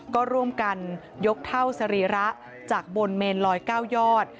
ก็ร่วมกันยกเท่าสรีระจากบนเมนลอย๙ยอด